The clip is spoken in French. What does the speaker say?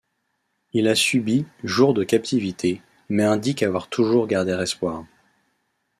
Il a subi jours de captivité, mais indique avoir toujours gardé espoir.